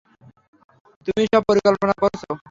তুমিই সব পরিকল্পনা করেছ।